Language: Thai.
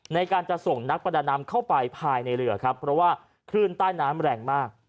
ในการจะส่งนักประดาน้ำเข้าไปภายในเรือครับเพราะว่าคลื่นใต้น้ำแรงมาก